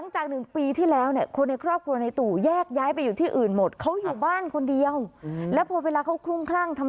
จกกระจกแตกหมดเลยนะฮะ